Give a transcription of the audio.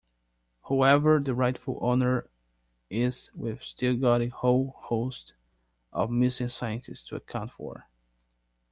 Whoever the rightful owner is we've still got a whole host of missing scientists to account for.